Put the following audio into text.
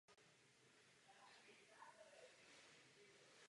Zahrada zanikla zanedlouho po svém založení.